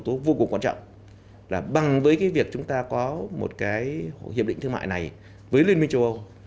một yếu tố vô cùng quan trọng là bằng với việc chúng ta có một hiệp định thương mại này với liên minh châu âu